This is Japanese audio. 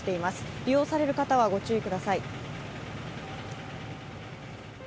利用される方はご注意ください。